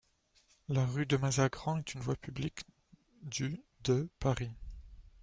La rue de Mazagran est une voie publique du de Paris.